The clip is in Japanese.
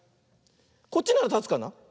こっちならたつかな。